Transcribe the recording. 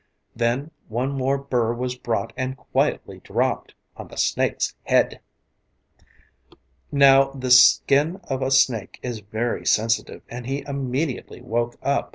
Then one more burr was brought and quietly dropped on the snake's head. Now, the skin of a snake is very sensitive and he immediately woke up.